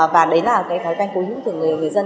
và đấy là cái thói quen của những người dân